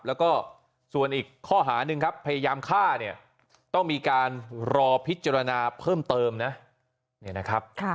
แล้วก็ส่วนอีกข้อหาหนึ่งครับพยายามฆ่าเนี่ยต้องมีการรอพิจารณาเพิ่มเติมนะเนี่ยนะครับ